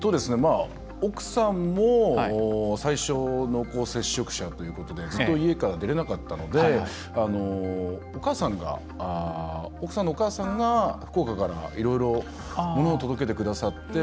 奥さんも、最初濃厚接触者ということでずっと家から出れなかったので奥さんのお母さんが福岡からいろいろ物を届けてくださって。